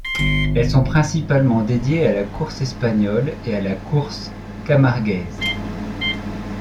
Elles sont principalement dédiées à la course espagnole et à la course camarguaise.